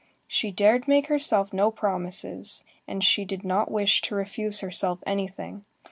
She dared make herself no promises, and she did not wish to refuse herself anything.